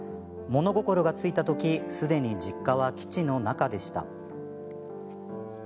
物心がついたときすでに実家は、基地の中でした。